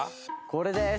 これです。